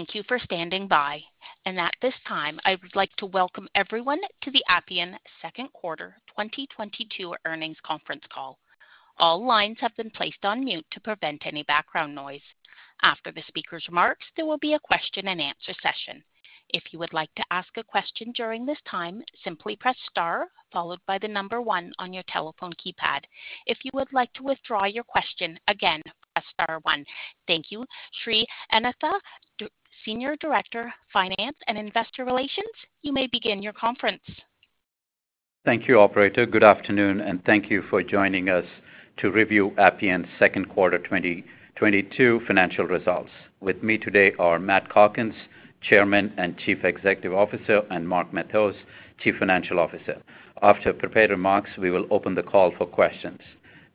Thank you for standing by. At this time, I would like to welcome everyone to the Appian second quarter 2022 earnings conference call. All lines have been placed on mute to prevent any background noise. After the speaker's remarks, there will be a question-and-answer session. If you would like to ask a question during this time, simply press star followed by the number one on your telephone keypad. If you would like to withdraw your question, again, press star one. Thank you. Sri Anantha, Senior Director of Finance and Investor Relations, you may begin your conference. Thank you, operator. Good afternoon and thank you for joining us to review Appian second quarter 2022 financial results. With me today are Matt Calkins, Chairman and Chief Executive Officer, and Mark Matheos, Chief Financial Officer. After prepared remarks, we will open the call for questions.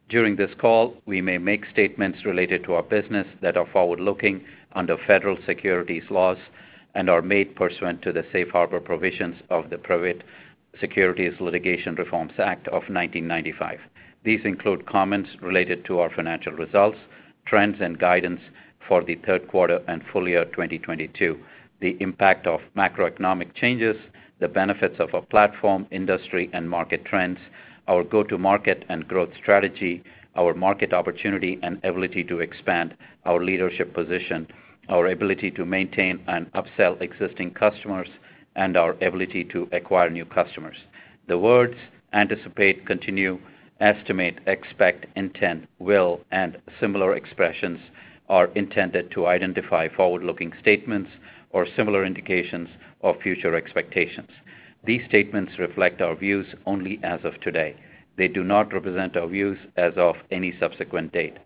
During this call, we may make statements related to our business that are forward-looking under federal securities laws and are made pursuant to the Safe Harbor provisions of the Private Securities Litigation Reform Act of 1995. These include comments related to our financial results, trends and guidance for the third quarter and full year 2022, the impact of macroeconomic changes, the benefits of our platform, industry and market trends, our go-to-market and growth strategy, our market opportunity and ability to expand our leadership position, our ability to maintain and upsell existing customers, and our ability to acquire new customers. The words anticipate, continue, estimate, expect, intend, will, and similar expressions are intended to identify forward-looking statements or similar indications of future expectations. These statements reflect our views only as of today. They do not represent our views as of any subsequent date.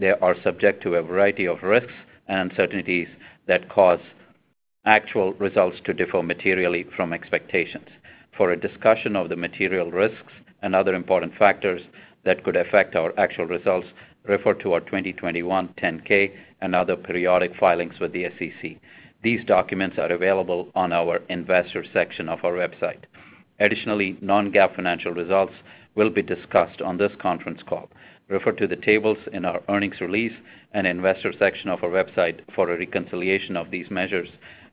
They are subject to a variety of risks and uncertainties that cause actual results to differ materially from expectations. For a discussion of the material risks and other important factors that could affect our actual results, refer to our 2021 10-K and other periodic filings with the SEC. These documents are available on our investor section of our website. Additionally, non-GAAP financial results will be discussed on this conference call. Refer to the tables in our earnings release and investor section of our website for a reconciliation of these measures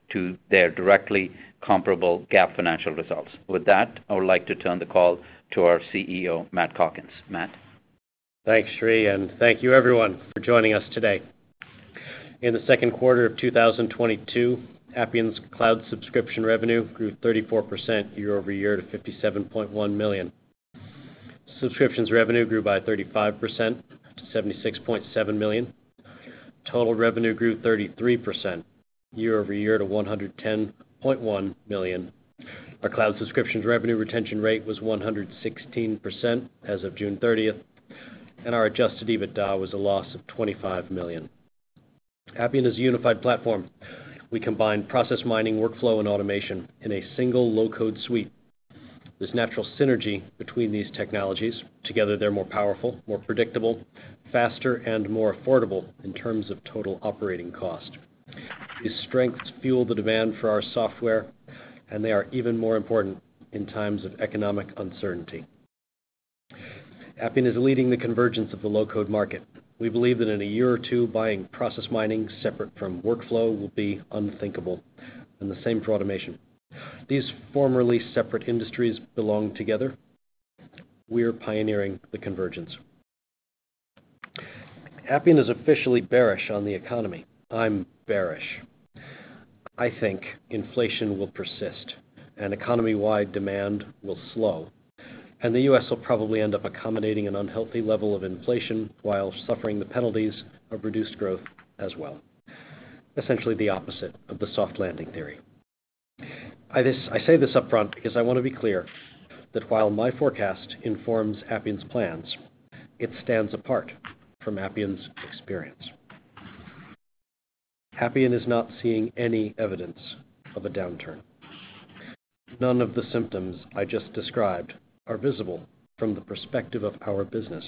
to their directly comparable GAAP financial results. With that, I would like to turn the call to our CEO, Matt Calkins. Matt? Thanks, Sri, and thank you everyone for joining us today. In the second quarter of 2022, Appian's Cloud Subscription revenue grew 34% year-over-year to $57.1 million. Subscriptions revenue grew by 35% to $76.7 million. Total revenue grew 33% year-over-year to $110.1 million. Our Cloud Subscriptions revenue retention rate was 116% as of June 30th, and our Adjusted EBITDA was a loss of $25 million. Appian is a unified platform. We combine process mining, workflow, and automation in a single low-code suite. There's natural synergy between these technologies. Together, they're more powerful, more predictable, faster, and more affordable in terms of total operating cost. These strengths fuel the demand for our software, and they are even more important in times of economic uncertainty. Appian is leading the convergence of the low-code market. We believe that in a year or two, buying process mining separate from workflow will be unthinkable, and the same for automation. These formerly separate industries belong together. We are pioneering the convergence. Appian is officially bearish on the economy. I'm bearish. I think inflation will persist and economy-wide demand will slow, and the U.S. will probably end up accommodating an unhealthy level of inflation while suffering the penalties of reduced growth as well. Essentially the opposite of the soft landing theory. I say this upfront because I wanna be clear that while my forecast informs Appian's plans, it stands apart from Appian's experience. Appian is not seeing any evidence of a downturn. None of the symptoms I just described are visible from the perspective of our business.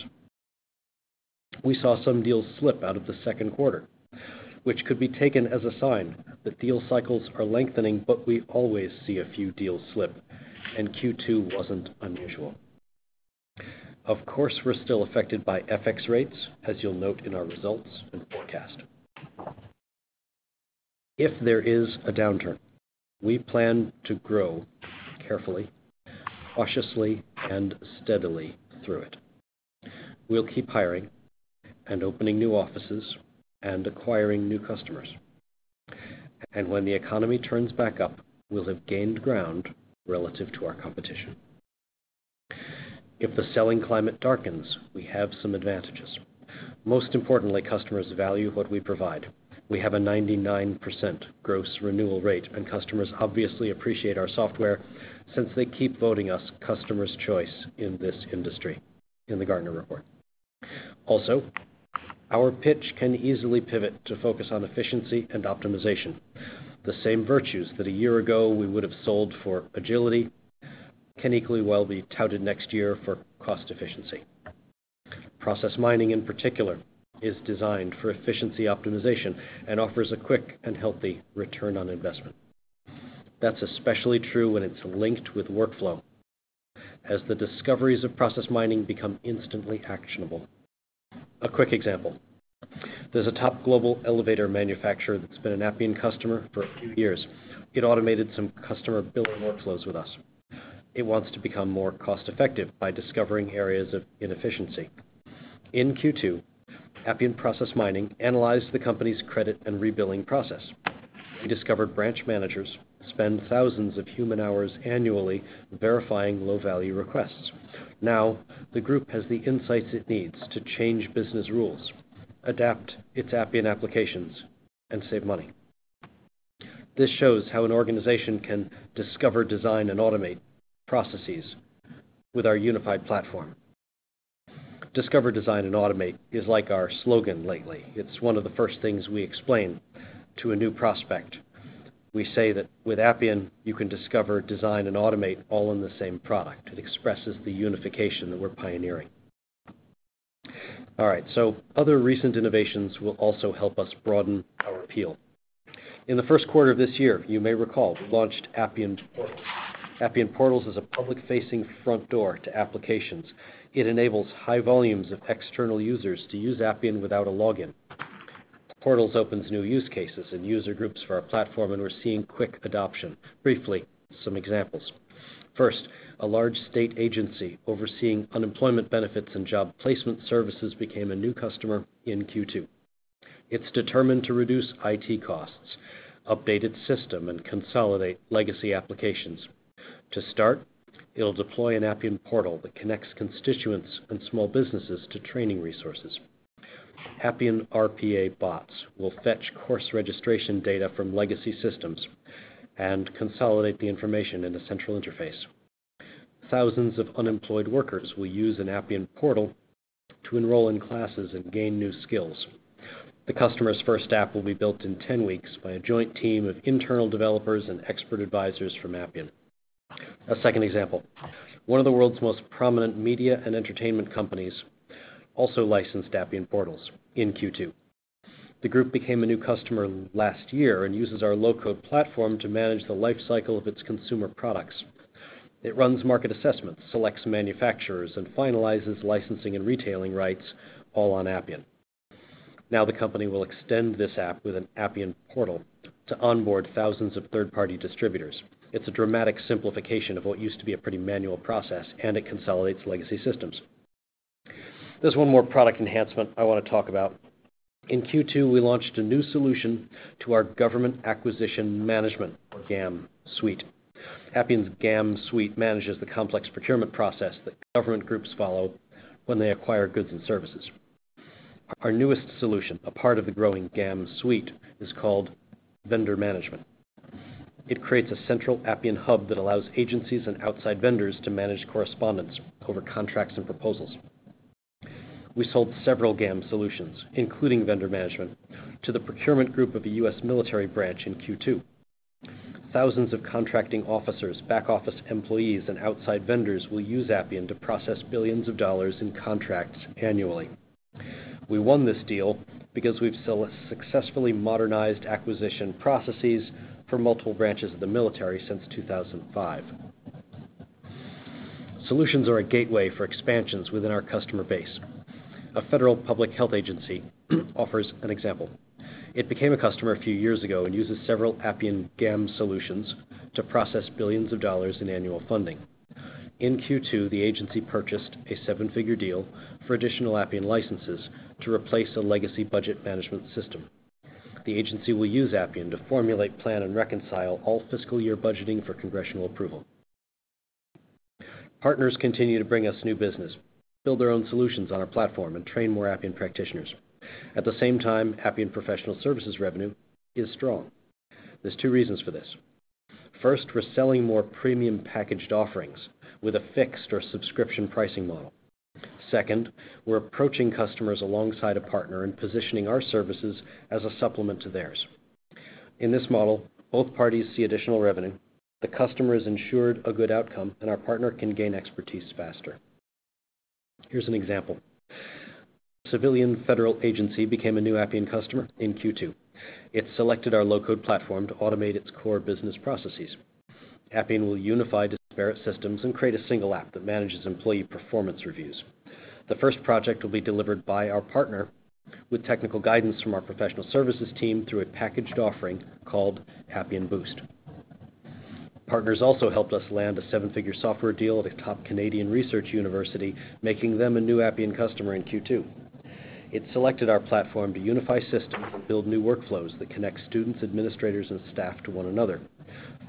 We saw some deals slip out of the second quarter, which could be taken as a sign that deal cycles are lengthening, but we always see a few deals slip, and Q2 wasn't unusual. Of course, we're still affected by FX rates, as you'll note in our results and forecast. If there is a downturn, we plan to grow carefully, cautiously, and steadily through it. We'll keep hiring and opening new offices and acquiring new customers. When the economy turns back up, we'll have gained ground relative to our competition. If the selling climate darkens, we have some advantages. Most importantly, customers value what we provide. We have a 99% gross renewal rate, and customers obviously appreciate our software since they keep voting us Customers' Choice in this industry in the Gartner report. Also, our pitch can easily pivot to focus on efficiency and optimization. The same virtues that a year ago we would have sold for agility can equally well be touted next year for cost efficiency. Process mining, in particular, is designed for efficiency optimization and offers a quick and healthy return on investment. That's especially true when it's linked with workflow, as the discoveries of process mining become instantly actionable. A quick example. There's a top global elevator manufacturer that's been an Appian customer for a few years. It automated some customer billing workflows with us. It wants to become more cost-effective by discovering areas of inefficiency. In Q2, Appian process mining analyzed the company's credit and rebilling process. We discovered branch managers spend thousands of human hours annually verifying low-value requests. Now, the group has the insights it needs to change business rules, adapt its Appian applications, and save money. This shows how an organization can discover, design, and automate processes with our unified platform. Discover, design, and automate is like our slogan lately. It's one of the first things we explain to a new prospect. We say that with Appian, you can discover, design, and automate all in the same product. It expresses the unification that we're pioneering. All right, so other recent innovations will also help us broaden our appeal. In the first quarter of this year, you may recall, we launched Appian Portals. Appian Portals is a public-facing front door to applications. It enables high volumes of external users to use Appian without a login. Portals opens new use cases and user groups for our platform, and we're seeing quick adoption. Briefly, some examples. First, a large state agency overseeing unemployment benefits and job placement services became a new customer in Q2. It's determined to reduce IT costs, update its system, and consolidate legacy applications. To start, it'll deploy Appian Portals that connects constituents and small businesses to training resources. Appian RPA bots will fetch course registration data from legacy systems and consolidate the information in a central interface. Thousands of unemployed workers will use Appian Portals to enroll in classes and gain new skills. The customer's first app will be built in 10 weeks by a joint team of internal developers and expert advisors from Appian. A second example. One of the world's most prominent media and entertainment companies also licensed Appian Portals in Q2. The group became a new customer last year and uses our low-code platform to manage the life cycle of its consumer products. It runs market assessments, selects manufacturers, and finalizes licensing and retailing rights all on Appian. Now the company will extend this app with an Appian portal to onboard thousands of third-party distributors. It's a dramatic simplification of what used to be a pretty manual process, and it consolidates legacy systems. There's one more product enhancement I want to talk about. In Q2, we launched a new solution to our government acquisition management, or GAM, suite. Appian's GAM suite manages the complex procurement process that government groups follow when they acquire goods and services. Our newest solution, a part of the growing GAM suite, is called Vendor Management. It creates a central Appian hub that allows agencies and outside vendors to manage correspondence over contracts and proposals. We sold several GAM solutions, including Vendor Management, to the procurement group of a U.S. military branch in Q2. Thousands of contracting officers, back-office employees, and outside vendors will use Appian to process billions of dollars in contracts annually. We won this deal because we've successfully modernized acquisition processes for multiple branches of the military since 2005. Solutions are a gateway for expansions within our customer base. A federal public health agency offers an example. It became a customer a few years ago and uses several Appian GAM solutions to process billions of dollars in annual funding. In Q2, the agency purchased a seven-figure deal for additional Appian licenses to replace a legacy budget management system. The agency will use Appian to formulate, plan, and reconcile all fiscal year budgeting for congressional approval. Partners continue to bring us new business, build their own solutions on our platform, and train more Appian practitioners. At the same time, Appian Professional Services revenue is strong. There're two reasons for this. First, we're selling more premium packaged offerings with a fixed or subscription pricing model. Second, we're approaching customers alongside a partner and positioning our services as a supplement to theirs. In this model, both parties see additional revenue, the customer is ensured a good outcome, and our partner can gain expertise faster. Here's an example. Civilian Federal Agency became a new Appian customer in Q2. It selected our low-code platform to automate its core business processes. Appian will unify disparate systems and create a single app that manages employee performance reviews. The first project will be delivered by our partner with technical guidance from our Professional Services team through a packaged offering called Appian Boost. Partners also helped us land a seven-figure software deal at a top Canadian research university, making them a new Appian customer in Q2. It selected our platform to unify systems and build new workflows that connect students, administrators, and staff to one another.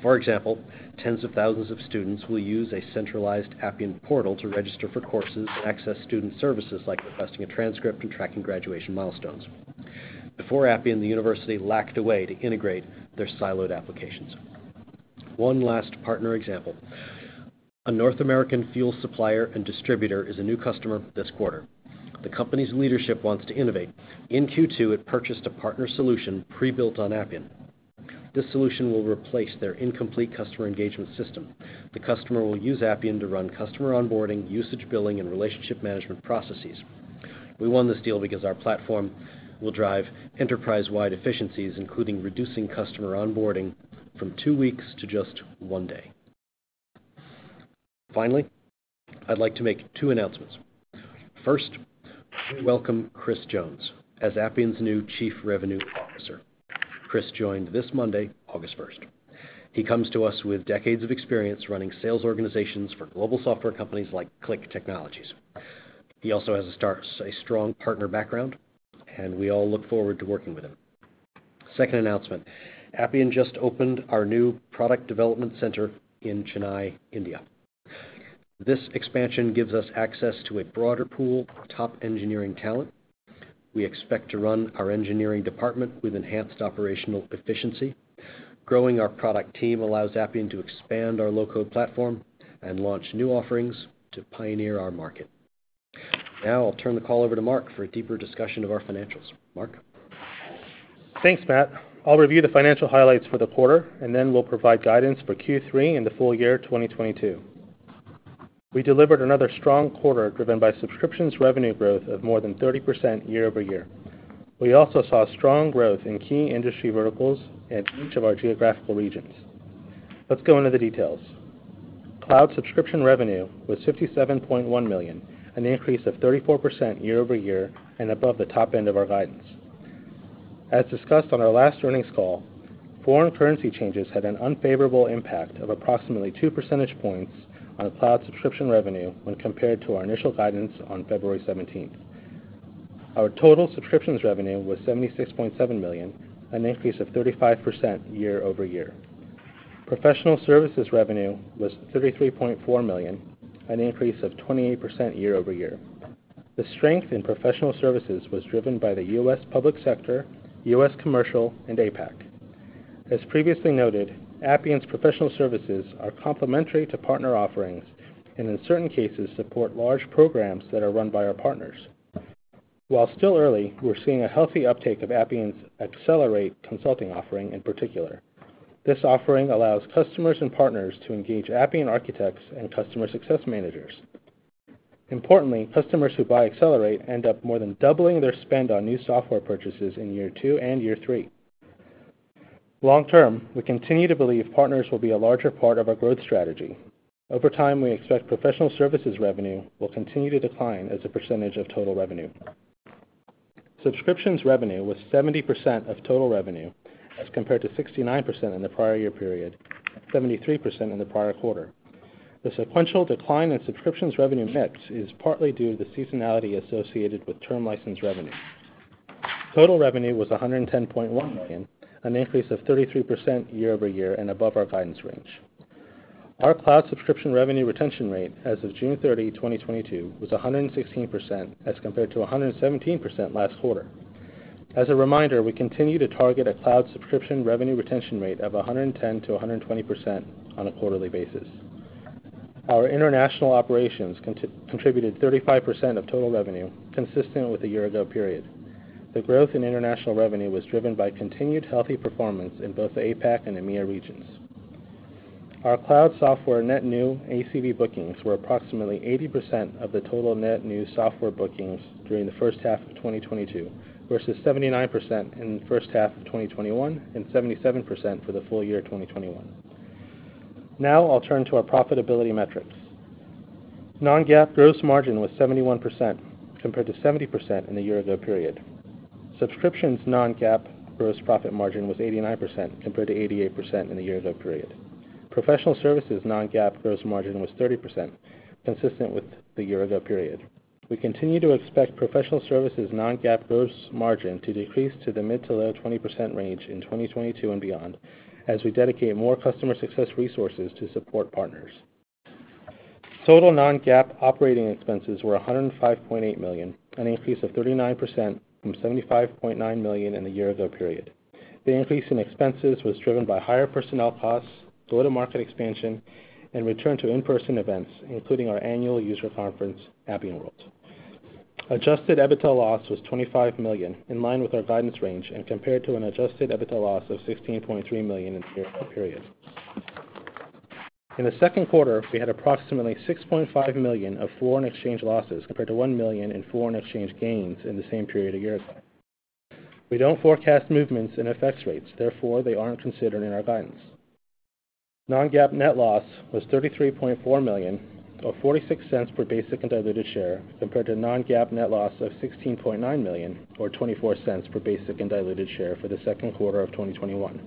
For example, tens of thousands of students will use a centralized Appian portal to register for courses and access student services like requesting a transcript and tracking graduation milestones. Before Appian, the university lacked a way to integrate their siloed applications. One last partner example. A North American fuel supplier and distributor is a new customer this quarter. The company's leadership wants to innovate. In Q2, it purchased a partner solution pre-built on Appian. This solution will replace their incomplete customer engagement system. The customer will use Appian to run customer onboarding, usage billing, and relationship management processes. We won this deal because our platform will drive enterprise-wide efficiencies, including reducing customer onboarding from two weeks to just one day. Finally, I'd like to make two announcements. First, we welcome Chris Jones as Appian's new Chief Revenue Officer. Chris joined this Monday, August 1st. He comes to us with decades of experience running sales organizations for global software companies like Qlik Technologies. He also has a strong partner background, and we all look forward to working with him. Second announcement. Appian just opened our new product development center in Chennai, India. This expansion gives us access to a broader pool of top engineering talent. We expect to run our engineering department with enhanced operational efficiency. Growing our product team allows Appian to expand our low-code platform and launch new offerings to pioneer our market. Now I'll turn the call over to Mark for a deeper discussion of our financials. Mark? Thanks, Matt. I'll review the financial highlights for the quarter, and then we'll provide guidance for Q3 and the full year 2022. We delivered another strong quarter driven by subscription revenue growth of more than 30% year-over-year. We also saw strong growth in key industry verticals in each of our geographical regions. Let's go into the details. Cloud subscription revenue was $57.1 million, an increase of 34% year-over-year and above the top end of our guidance. As discussed on our last earnings call, foreign currency changes had an unfavorable impact of approximately 2 percentage points on Cloud Subscription revenue when compared to our initial guidance on February 17th. Our total subscription revenue was $76.7 million, an increase of 35% year-over-year. Professional services revenue was $33.4 million, an increase of 28% year-over-year. The strength in Professional Services was driven by the U.S. public sector, U.S. commercial, and APAC. As previously noted, Appian's Professional Services are complementary to partner offerings, and in certain cases, support large programs that are run by our partners. While still early, we're seeing a healthy uptake of Appian Accelerate consulting offering in particular. This offering allows customers and partners to engage Appian architects and customer success managers. Importantly, customers who buy Accelerate end up more than doubling their spend on new software purchases in year two and year three. Long term, we continue to believe partners will be a larger part of our growth strategy. Over time, we expect Professional Services revenue will continue to decline as a percentage of total revenue. Subscriptions revenue was 70% of total revenue as compared to 69% in the prior year period, 73% in the prior quarter. The sequential decline in subscriptions revenue mix is partly due to the seasonality associated with term license revenue. Total revenue was $110.1 million, an increase of 33% year-over-year and above our guidance range. Our Cloud Subscription revenue retention rate as of June 30, 2022, was 116% as compared to 117% last quarter. As a reminder, we continue to target a Cloud Subscription revenue retention rate of 110%-120% on a quarterly basis. Our international operations contributed 35% of total revenue, consistent with the year-ago period. The growth in international revenue was driven by continued healthy performance in both the APAC and EMEA regions. Our cloud software net new ACV bookings were approximately 80% of the total net new software bookings during the first half of 2022, versus 79% in the first half of 2021, and 77% for the full year 2021. Now I'll turn to our profitability metrics. Non-GAAP gross margin was 71%, compared to 70% in the year-ago period. Subscriptions non-GAAP gross profit margin was 89%, compared to 88% in the year-ago period. Professional services non-GAAP gross margin was 30%, consistent with the year-ago period. We continue to expect Professional Services non-GAAP gross margin to decrease to the mid- to low-20% range in 2022 and beyond, as we dedicate more customer success resources to support partners. Total non-GAAP operating expenses were $105.8 million, an increase of 39% from $75.9 million in the year-ago period. The increase in expenses was driven by higher personnel costs, go-to-market expansion, and return to in-person events, including our annual user conference, Appian World. Adjusted EBITDA loss was $25 million, in line with our guidance range and compared to an Adjusted EBITDA loss of $16.3 million in year-ago period. In the second quarter, we had approximately $6.5 million of foreign exchange losses, compared to $1 million in foreign exchange gains in the same period a year-ago. We don't forecast movements in FX rates, therefore they aren't considered in our guidance. Non-GAAP net loss was $33.4 million, or $0.46 per basic and diluted share, compared to non-GAAP net loss of $16.9 million, or $0.24 per basic and diluted share for the second quarter of 2021.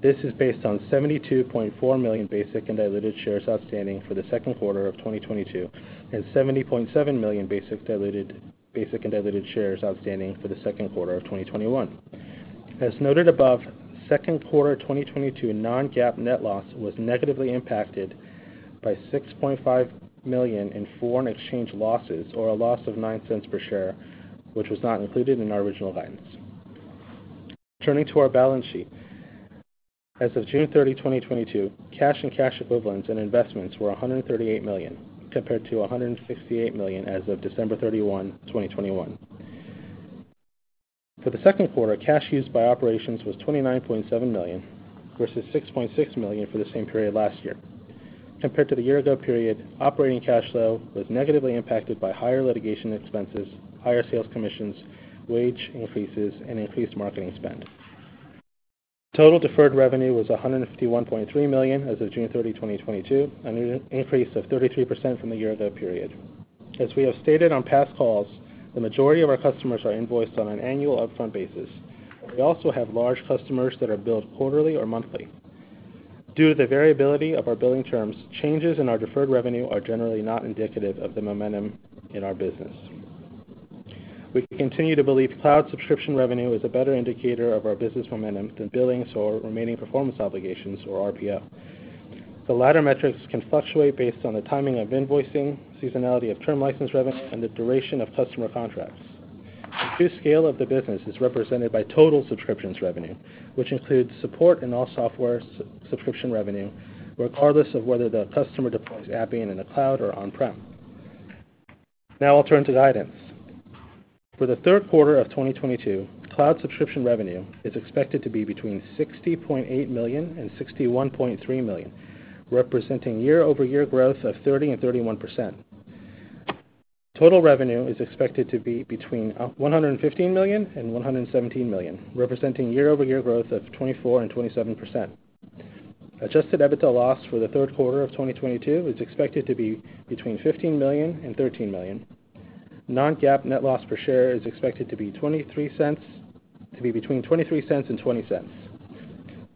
This is based on 72.4 million basic and diluted shares outstanding for the second quarter of 2022, and 70.7 million basic and diluted shares outstanding for the second quarter of 2021. As noted above, second quarter 2022 non-GAAP net loss was negatively impacted by $6.5 million in foreign exchange losses, or a loss of $0.09 per share, which was not included in our original guidance. Turning to our balance sheet. As of June 30, 2022, cash and cash equivalents and investments were $138 million, compared to $168 million as of December 31, 2021. For the second quarter, cash used by operations was $29.7 million versus $6.6 million for the same period last year. Compared to the year-ago period, operating cash flow was negatively impacted by higher litigation expenses, higher sales commissions, wage increases, and increased marketing spend. Total deferred revenue was $151.3 million as of June 30, 2022, an increase of 33% from the year-ago period. As we have stated on past calls, the majority of our customers are invoiced on an annual upfront basis. We also have large customers that are billed quarterly or monthly. Due to the variability of our billing terms, changes in our deferred revenue are generally not indicative of the momentum in our business. We continue to believe Cloud Subscription revenue is a better indicator of our business momentum than billings or remaining performance obligations or RPO. The latter metrics can fluctuate based on the timing of invoicing, seasonality of term license revenue, and the duration of customer contracts. The true scale of the business is represented by total subscriptions revenue, which includes support and all software sub-subscription revenue, regardless of whether the customer deploys Appian in the cloud or on-prem. Now I'll turn to guidance. For the third quarter of 2022, Cloud Subscription revenue is expected to be between $60.8 million and $61.3 million, representing year-over-year growth of 30% and 31%. Total revenue is expected to be between $115 million and $117 million, representing year-over-year growth of 24% and 27%. Adjusted EBITDA loss for the third quarter of 2022 is expected to be between $15 million and $13 million. Non-GAAP net loss per share is expected to be between $0.23 and $0.20.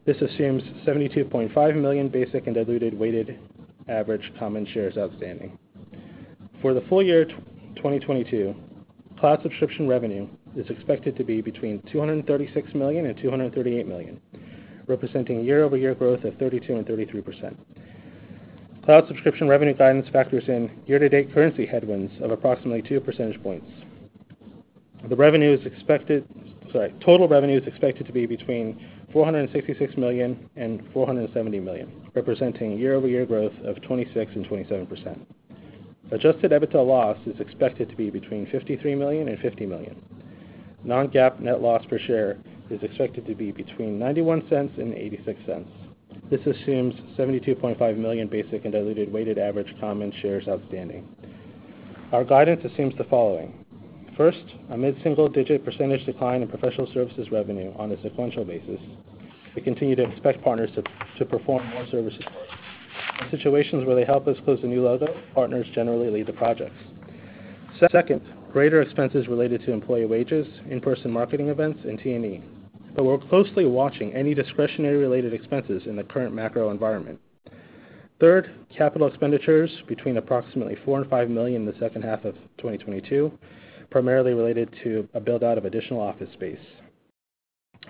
This assumes 72.5 million basic and diluted weighted average common shares outstanding. For the full year 2022, Cloud Subscription revenue is expected to be between $236 million and $238 million, representing year-over-year growth of 32% and 33%. Cloud subscription revenue guidance factors in year-to-date currency headwinds of approximately two percentage points. Total revenue is expected to be between $466 million and $470 million, representing year-over-year growth of 26% and 27%. Adjusted EBITDA loss is expected to be between $53 million and $50 million. Non-GAAP net loss per share is expected to be between $0.91 and $0.86. This assumes 72.5 million basic and diluted weighted average common shares outstanding. Our guidance assumes the following. First, amid single-digit percentage decline in Professional Services revenue on a sequential basis, we continue to expect partners to perform more service support. In situations where they help us close a new logo, partners generally lead the projects. Second, greater expenses related to employee wages, in-person marketing events, and T&E. We're closely watching any discretionary related expenses in the current macro environment. Third, capital expenditures between approximately $4 million-$5 million in the second half of 2022, primarily related to a build-out of additional office space.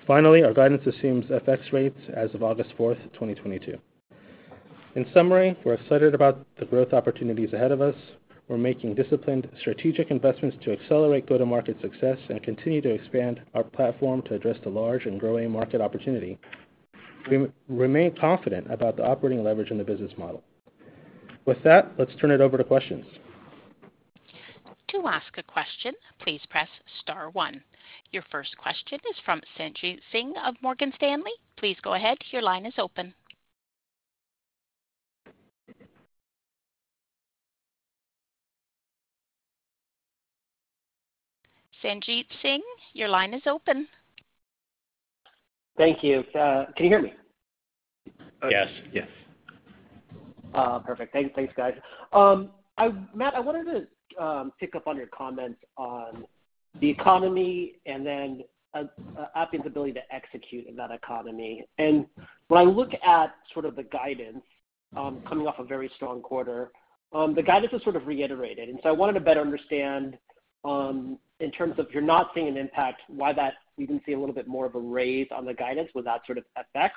Finally, our guidance assumes FX rates as of August 4th, 2022. In summary, we're excited about the growth opportunities ahead of us. We're making disciplined strategic investments to accelerate go-to-market success and continue to expand our platform to address the large and growing market opportunity. We remain confident about the operating leverage in the business model. With that, let's turn it over to questions. To ask a question, please press star one. Your first question is from Sanjit Singh of Morgan Stanley. Please go ahead, your line is open. Sanjit Singh, your line is open. Thank you. Can you hear me? Yes. Yes. Perfect. Thanks, guys. Matt, I wanted to pick up on your comments on the economy and then Appian's ability to execute in that economy. When I look at sort of the guidance coming off a very strong quarter, the guidance was sort of reiterated. I wanted to better understand, in terms of you're not seeing an impact, why we didn't see a little bit more of a raise on the guidance without sort of FX.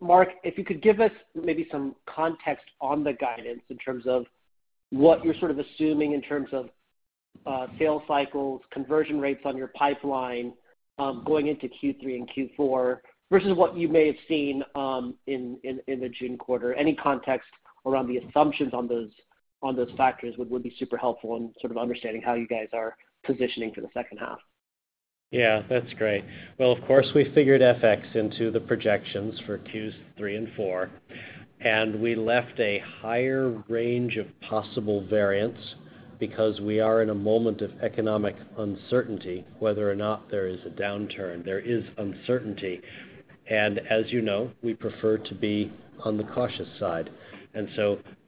Mark, if you could give us maybe some context on the guidance in terms of what you're sort of assuming in terms of sales cycles, conversion rates on your pipeline going into Q3 and Q4 versus what you may have seen in the June quarter. Any context around the assumptions on those factors would be super helpful in sort of understanding how you guys are positioning for the second half. Yeah, that's great. Well, of course, we figured FX into the projections for Q3 and Q4, and we left a higher range of possible variance because we are in a moment of economic uncertainty, whether or not there is a downturn. There is uncertainty. As you know, we prefer to be on the cautious side.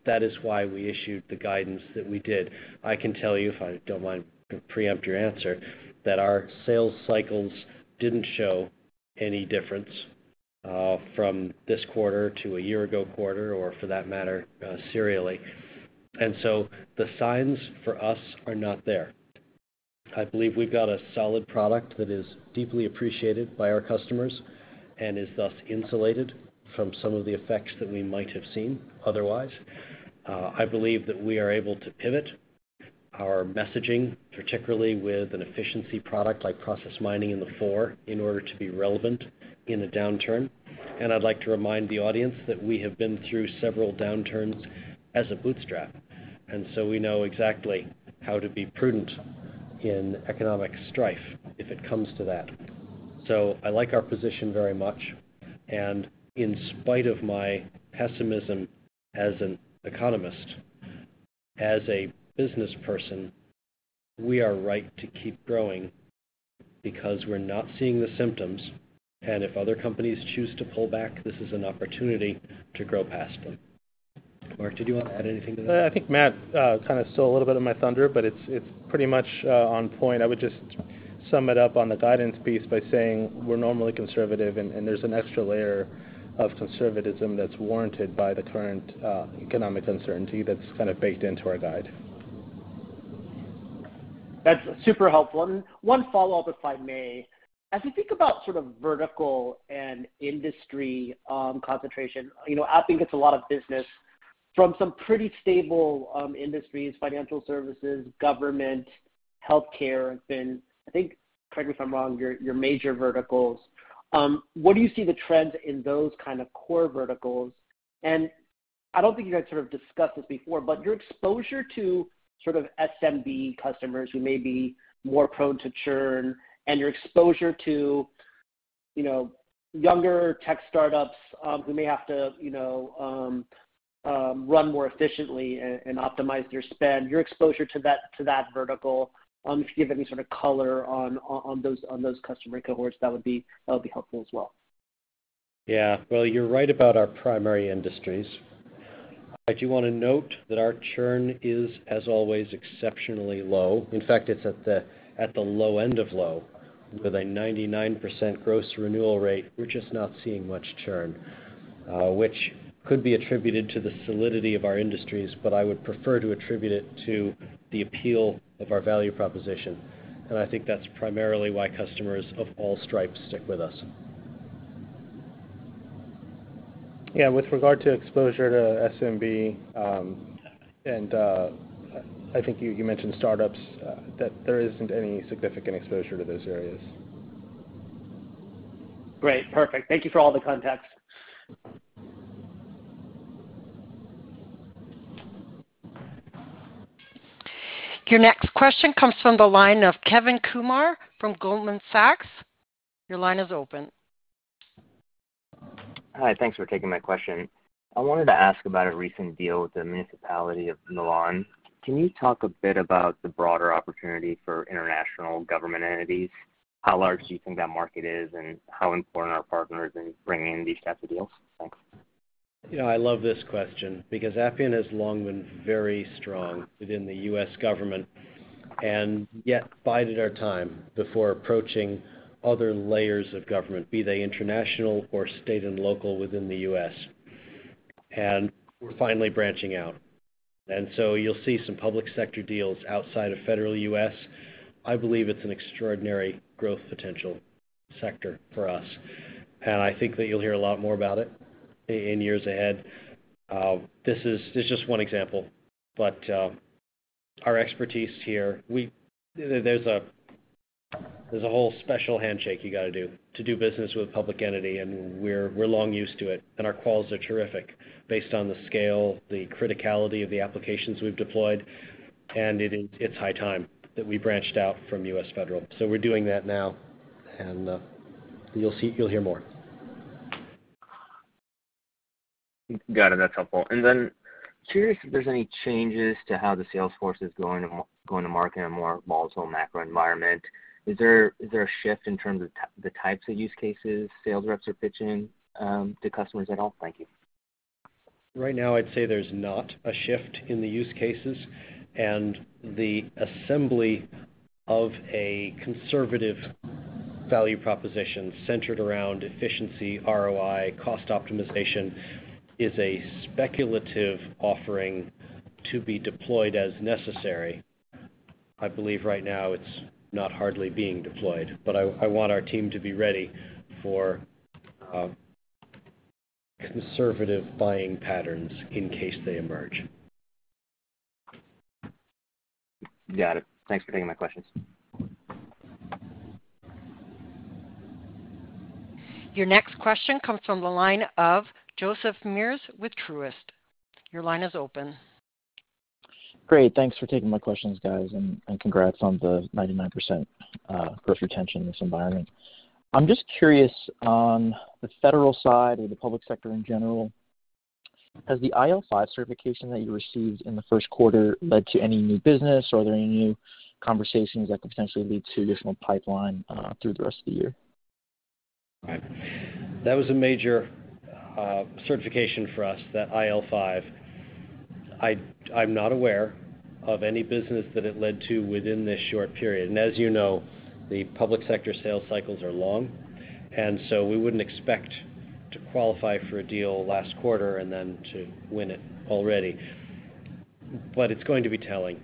That is why we issued the guidance that we did. I can tell you, if I don't mind to preempt your answer, that our sales cycles didn't show any difference from this quarter to a year-ago quarter or for that matter, serially. The signs for us are not there. I believe we've got a solid product that is deeply appreciated by our customers and is thus insulated from some of the effects that we might have seen otherwise. I believe that we are able to pivot our messaging, particularly with an efficiency product like process mining in the forefront, in order to be relevant in a downturn. I'd like to remind the audience that we have been through several downturns as a bootstrapped, and so we know exactly how to be prudent in economic strife if it comes to that. I like our position very much, and in spite of my pessimism as an economist. As a business person, we are right to keep growing because we're not seeing the symptoms. If other companies choose to pull back, this is an opportunity to grow past them. Mark, did you want to add anything to that? I think Matt kind of stole a little bit of my thunder, but it's pretty much on point. I would just sum it up on the guidance piece by saying we're normally conservative and there's an extra layer of conservatism that's warranted by the current economic uncertainty that's kind of baked into our guide. That's super helpful. One follow-up, if I may. As you think about sort of vertical and industry concentration, you know, Appian gets a lot of business from some pretty stable industries, financial services, government, healthcare have been, I think, correct me if I'm wrong, your major verticals. What do you see the trends in those kind of core verticals? I don't think you guys sort of discussed this before, but your exposure to sort of SMB customers who may be more prone to churn and your exposure to, you know, younger tech startups who may have to, you know, run more efficiently and optimize their spend, your exposure to that vertical, if you have any sort of color on those customer cohorts, that would be helpful as well? Yeah. Well, you're right about our primary industries. I do wanna note that our churn is, as always, exceptionally low. In fact, it's at the low end of low with a 99% gross renewal rate. We're just not seeing much churn, which could be attributed to the solidity of our industries, but I would prefer to attribute it to the appeal of our value proposition. I think that's primarily why customers of all stripes stick with us. Yeah. With regard to exposure to SMB, and I think you mentioned startups, that there isn't any significant exposure to those areas. Great. Perfect. Thank you for all the contexts. Your next question comes from the line of Kevin Kumar from Goldman Sachs. Your line is open. Hi. Thanks for taking my question. I wanted to ask about a recent deal with the Municipality of Milan. Can you talk a bit about the broader opportunity for international government entities? How large do you think that market is, and how important are partners in bringing these types of deals? Thanks. You know, I love this question because Appian has long been very strong within the U.S. government and yet bided our time before approaching other layers of government, be they international or state and local within the U.S. We're finally branching out. You'll see some public sector deals outside of federal U.S. I believe it's an extraordinary growth potential sector for us, and I think that you'll hear a lot more about it in years ahead. This is just one example. Our expertise here, there's a whole special handshake you gotta do to do business with a public entity, and we're long used to it. Our quals are terrific based on the scale, the criticality of the applications we've deployed, and it's high time that we branched out from U.S. federal. We're doing that now. You'll see. You'll hear more. Got it. That's helpful. Curious if there's any changes to how the sales force is going to market in a more volatile macro environment. Is there a shift in terms of the types of use cases sales reps are pitching to customers at all? Thank you. Right now, I'd say there's not a shift in the use cases, and the assembly of a conservative value proposition centered around efficiency, ROI, cost optimization is a speculative offering to be deployed as necessary. I believe right now it's not hardly being deployed. I want our team to be ready for conservative buying patterns in case they emerge. Got it. Thanks for taking my questions. Your next question comes from the line of Joseph Meares with Truist. Your line is open. Great. Thanks for taking my questions, guys, and congrats on the 99% growth retention in this environment. I'm just curious on the federal side or the public sector in general, has the IL5 certification that you received in the first quarter led to any new business or are there any new conversations that could potentially lead to additional pipeline through the rest of the year? That was a major certification for us, that IL5. I'm not aware of any business that it led to within this short period. As you know, the public sector sales cycles are long. We wouldn't expect to qualify for a deal last quarter and then to win it already. It's going to be telling,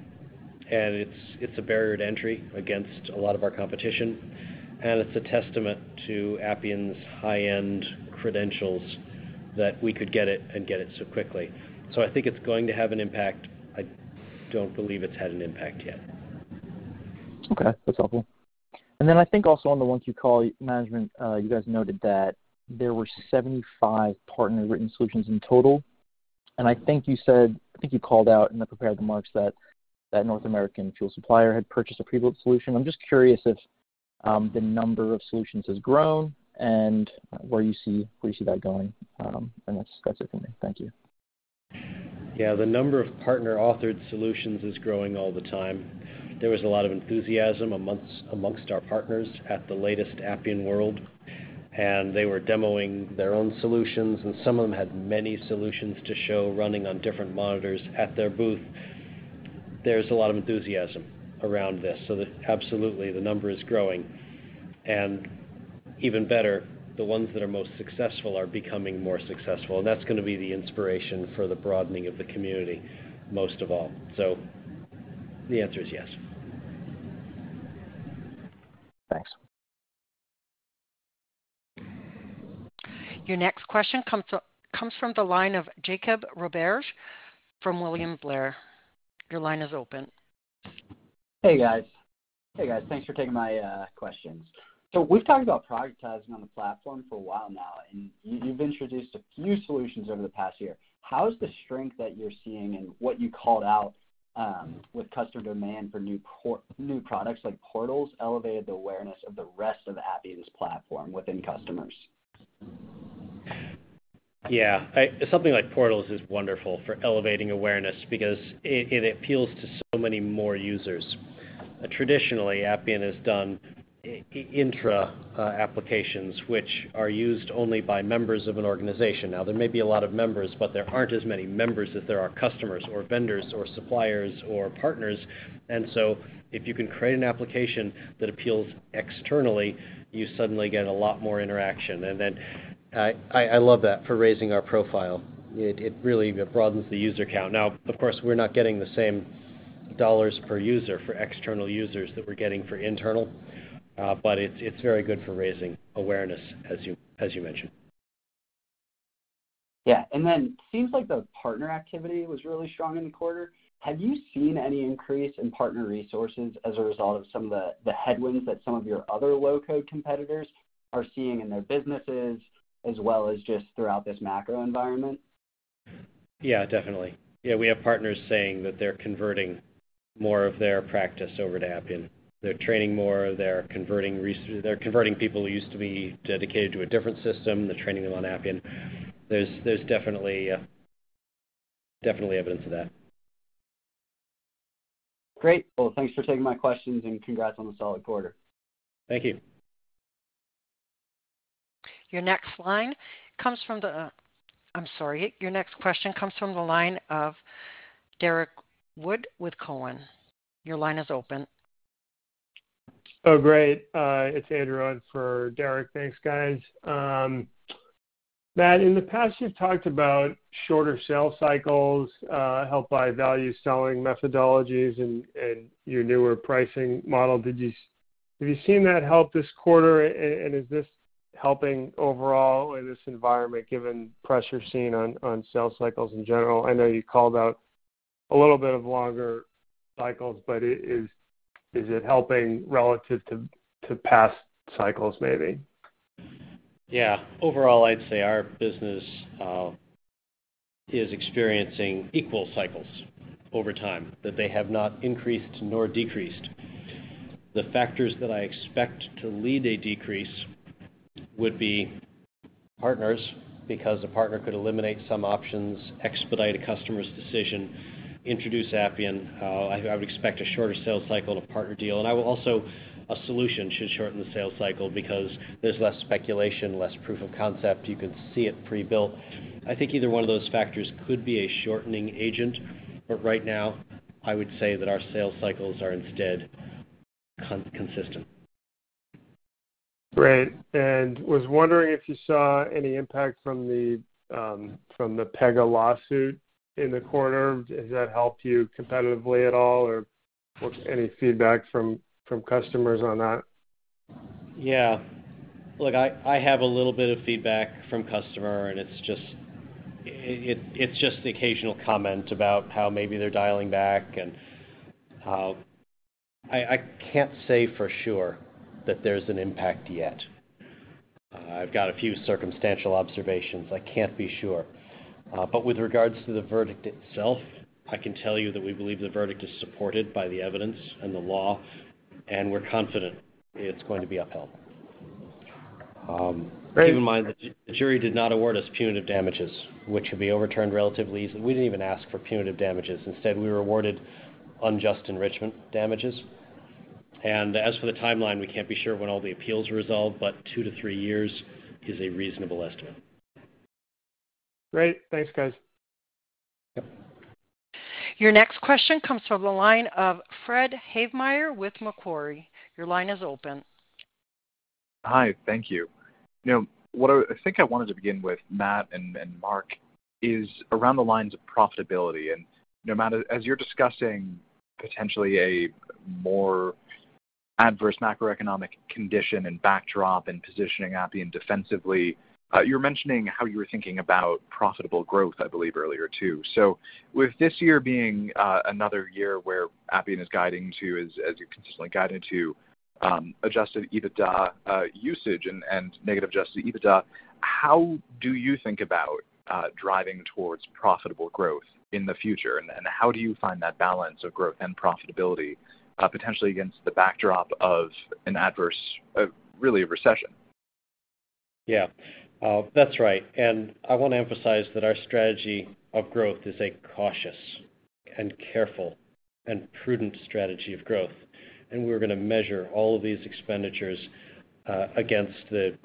and it's a barrier to entry against a lot of our competition, and it's a testament to Appian's high-end credentials that we could get it and get it so quickly. I think it's going to have an impact. I don't believe it's had an impact yet. Okay. That's helpful. Then I think also on the Q1 call, management, you guys noted that there were 75 partner-written solutions in total. I think you called out in the prepared remarks that North American fuel supplier had purchased a prebuilt solution. I'm just curious if... The number of solutions has grown and where you see that going. That's it for me. Thank you. Yeah. The number of partner-authored solutions is growing all the time. There was a lot of enthusiasm among our partners at the latest Appian World, and they were demoing their own solutions, and some of them had many solutions to show running on different monitors at their booth. There's a lot of enthusiasm around this. Absolutely, the number is growing. Even better, the ones that are most successful are becoming more successful, and that's gonna be the inspiration for the broadening of the community most of all. The answer is yes. Thanks. Your next question comes from the line of Jake Roberge from William Blair. Your line is open. Hey, guys. Thanks for taking my questions. We've talked about prioritizing on the platform for a while now, and you've introduced a few solutions over the past year. How is the strength that you're seeing and what you called out with customer demand for new products like Portals elevated the awareness of the rest of Appian's platform within customers? Yeah. Something like Portals is wonderful for elevating awareness because it appeals to so many more users. Traditionally, Appian has done intra applications which are used only by members of an organization. Now, there may be a lot of members, but there aren't as many members as there are customers or vendors or suppliers or partners. If you can create an application that appeals externally, you suddenly get a lot more interaction. I love that for raising our profile. It really broadens the user count. Now, of course, we're not getting the same dollars per user for external users that we're getting for internal, but it's very good for raising awareness, as you mentioned. Yeah. Seems like the partner activity was really strong in the quarter. Have you seen any increase in partner resources as a result of some of the headwinds that some of your other low-code competitors are seeing in their businesses, as well as just throughout this macro environment? Yeah, definitely. Yeah, we have partners saying that they're converting more of their practice over to Appian. They're training more, they're converting people who used to be dedicated to a different system. They're training them on Appian. There's definitely evidence of that. Great. Well, thanks for taking my questions, and congrats on the solid quarter. Thank you. Your next question comes from the line of Derrick Wood with Cowen. Your line is open. Oh, great. It's Andrew in for Derrick. Thanks, guys. Matt, in the past, you've talked about shorter sales cycles, helped by value selling methodologies and your newer pricing model. Have you seen that help this quarter, and is this helping overall in this environment given pressure seen on sales cycles in general? I know you called out a little bit of longer cycles, but is it helping relative to past cycles maybe? Yeah. Overall, I'd say our business is experiencing equal cycles over time that they have not increased nor decreased. The factors that I expect to lead a decrease would be partners, because a partner could eliminate some options, expedite a customer's decision, introduce Appian. I would expect a shorter sales cycle to partner deal. A solution should shorten the sales cycle because there's less speculation, less proof of concept. You can see it pre-built. I think either one of those factors could be a shortening agent. Right now, I would say that our sales cycles are instead consistent. Great. Was wondering if you saw any impact from the Pegasystems lawsuit in the quarter. Has that helped you competitively at all, or any feedback from customers on that? Yeah. Look, I have a little bit of feedback from customer, and it's just the occasional comment about how maybe they're dialing back and how I can't say for sure that there's an impact yet. I've got a few circumstantial observations. I can't be sure. With regards to the verdict itself, I can tell you that we believe the verdict is supported by the evidence and the law, and we're confident it's going to be upheld. Great. Keep in mind, the jury did not award us punitive damages, which would be overturned relatively easily. We didn't even ask for punitive damages. Instead, we were awarded unjust enrichment damages. As for the timeline, we can't be sure when all the appeals are resolved, but two to three years is a reasonable estimate. Great. Thanks, guys. Yep. Your next question comes from the line of Fred Havemeyer with Macquarie. Your line is open. Hi. Thank you. You know, what I think I wanted to begin with, Matt and Mark, is along the lines of profitability. You know, Matt, as you're discussing potentially a more adverse macroeconomic condition and backdrop and positioning Appian defensively, you're mentioning how you were thinking about profitable growth, I believe earlier too. With this year being another year where Appian is guiding to, as you consistently guided to, Adjusted EBITDA usage and negative Adjusted EBITDA, how do you think about driving towards profitable growth in the future? How do you find that balance of growth and profitability potentially against the backdrop of an adverse, really, a recession? Yeah. That's right. I wanna emphasize that our strategy of growth is a cautious and careful and prudent strategy of growth, and we're gonna measure all of these expenditures against the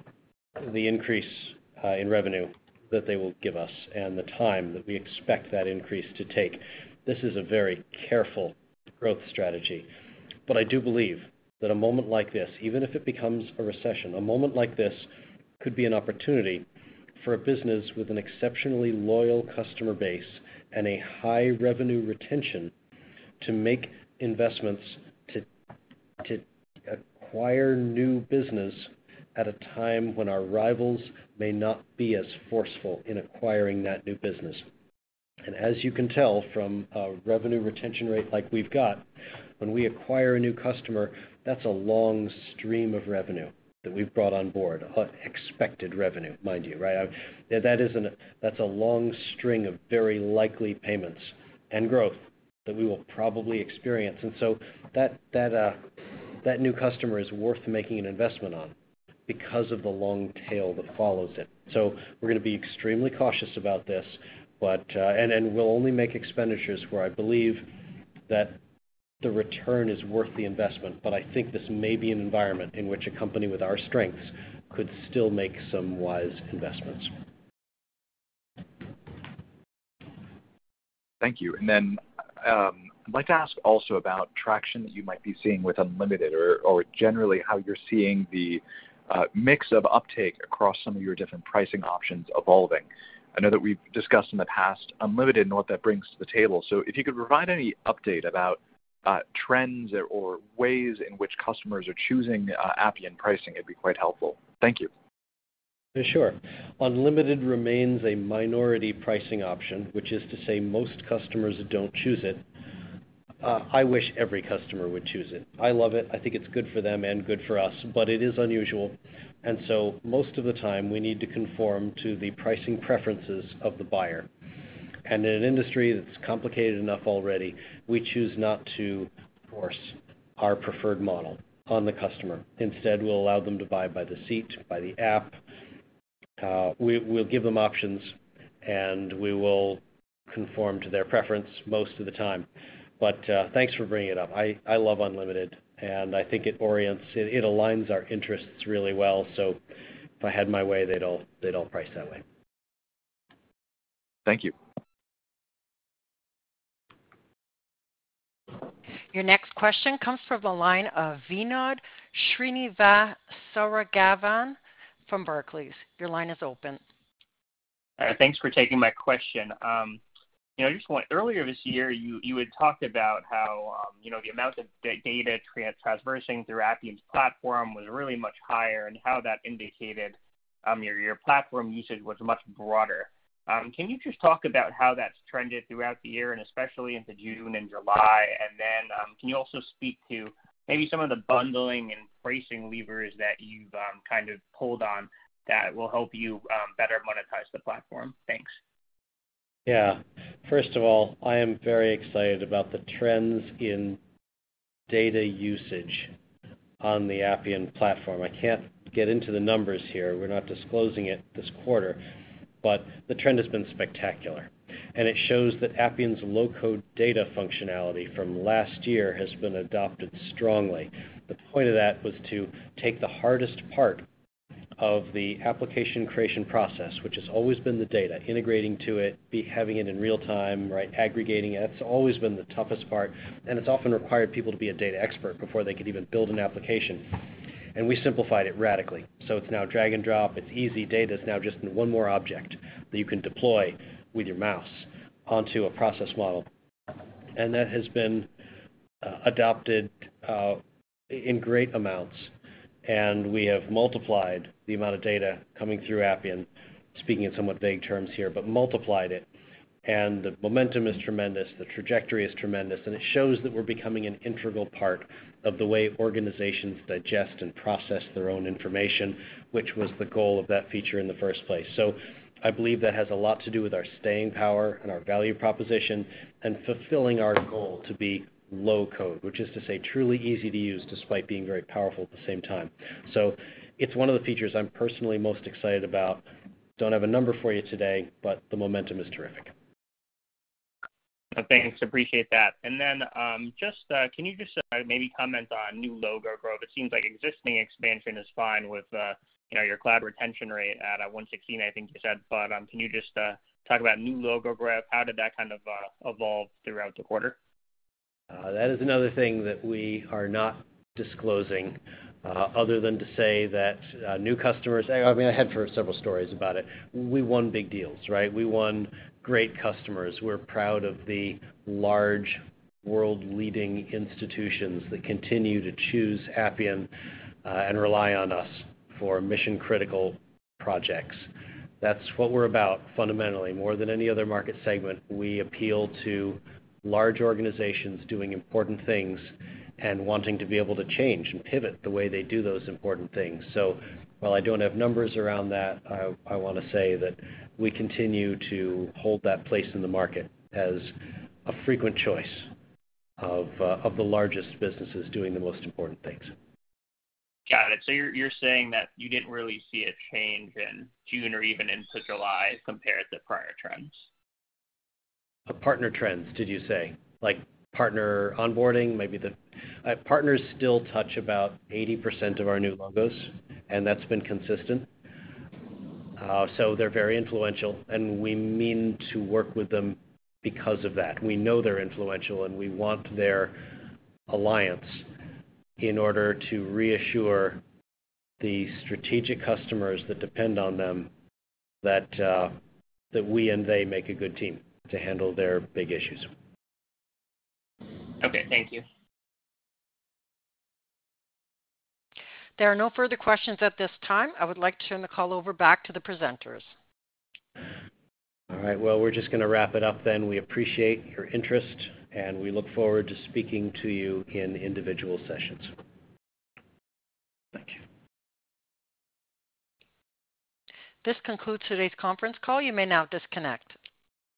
increase in revenue that they will give us and the time that we expect that increase to take. This is a very careful growth strategy, but I do believe that a moment like this, even if it becomes a recession, a moment like this could be an opportunity for a business with an exceptionally loyal customer base and a high revenue retention to make investments to acquire new business at a time when our rivals may not be as forceful in acquiring that new business. As you can tell from a revenue retention rate like we've got, when we acquire a new customer, that's a long stream of revenue that we've brought on board. Expected revenue, mind you, right? That's a long string of very likely payments and growth that we will probably experience. That new customer is worth making an investment on because of the long tail that follows it. We're gonna be extremely cautious about this, but we'll only make expenditures where I believe that the return is worth the investment. I think this may be an environment in which a company with our strengths could still make some wise investments. Thank you. I'd like to ask also about traction that you might be seeing with Unlimited or generally how you're seeing the mix of uptake across some of your different pricing options evolving. I know that we've discussed in the past Unlimited and what that brings to the table. If you could provide any update about trends or ways in which customers are choosing Appian pricing, it'd be quite helpful. Thank you. Yeah, sure. Unlimited remains a minority pricing option, which is to say most customers don't choose it. I wish every customer would choose it. I love it. I think it's good for them and good for us, but it is unusual. Most of the time we need to conform to the pricing preferences of the buyer. In an industry that's complicated enough already, we choose not to force our preferred model on the customer. Instead, we'll allow them to buy by the seat, by the app. We'll give them options, and we will conform to their preference most of the time. Thanks for bringing it up. I love Unlimited, and I think it aligns our interests really well. If I had my way, they'd all price that way. Thank you. Your next question comes from the line of Vinod Srinivasaraghavan from Barclays. Your line is open. Thanks for taking my question. You know, earlier this year, you had talked about how you know, the amount of data traversing through Appian's platform was really much higher, and how that indicated your platform usage was much broader. Can you just talk about how that's trended throughout the year and especially into June and July? Can you also speak to maybe some of the bundling and pricing levers that you've kind of pulled on that will help you better monetize the platform? Thanks. Yeah. First of all, I am very excited about the trends in data usage on the Appian platform. I can't get into the numbers here. We're not disclosing it this quarter, but the trend has been spectacular, and it shows that Appian's low-code data functionality from last year has been adopted strongly. The point of that was to take the hardest part of the application creation process, which has always been the data, integrating to it, having it in real time, right? Aggregating it's always been the toughest part, and it's often required people to be a data expert before they could even build an application, and we simplified it radically. It's now drag and drop. It's easy. Data is now just one more object that you can deploy with your mouse onto a process model. That has been adopted in great amounts, and we have multiplied the amount of data coming through Appian, speaking in somewhat vague terms here, but multiplied it. The momentum is tremendous. The trajectory is tremendous, and it shows that we're becoming an integral part of the way organizations digest and process their own information, which was the goal of that feature in the first place. I believe that has a lot to do with our staying power and our value proposition and fulfilling our goal to be low-code, which is to say truly easy to use despite being very powerful at the same time. It's one of the features I'm personally most excited about. Don't have a number for you today, but the momentum is terrific. Thanks. Appreciate that. Just, can you just maybe comment on new logo growth? It seems like existing expansion is fine with, you know, your cloud retention rate at 116%, I think you said. Can you just talk about new logo growth? How did that kind of evolve throughout the quarter? That is another thing that we are not disclosing, other than to say that new customers. I mean, I have heard several stories about it. We won big deals, right? We won great customers. We're proud of the large world-leading institutions that continue to choose Appian and rely on us for mission-critical projects. That's what we're about fundamentally. More than any other market segment, we appeal to large organizations doing important things and wanting to be able to change and pivot the way they do those important things. While I don't have numbers around that, I wanna say that we continue to hold that place in the market as a frequent choice of the largest businesses doing the most important things. Got it. You're saying that you didn't really see a change in June or even into July compared to prior trends? Partner trends, did you say? Like partner onboarding, maybe partners still touch about 80% of our new logos, and that's been consistent. They're very influential, and we mean to work with them because of that. We know they're influential, and we want their alliance in order to reassure the strategic customers that depend on them that that we and they make a good team to handle their big issues. Okay, thank you. There are no further questions at this time. I would like to turn the call over back to the presenters. All right. Well, we're just gonna wrap it up then. We appreciate your interest, and we look forward to speaking to you in individual sessions. Thank you. This concludes today's conference call. You may now disconnect.